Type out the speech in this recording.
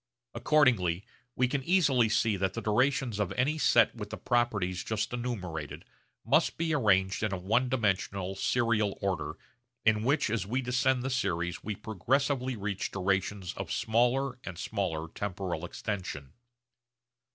Accordingly we can easily see that the durations of any set with the properties just enumerated must be arranged in a one dimensional serial order in which as we descend the series we progressively reach durations of smaller and smaller temporal extension.